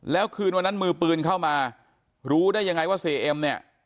แล้วคืนวันนั้นมือปืนเข้ามารู้ได้ยังไงว่าเสียเอ็มเนี่ย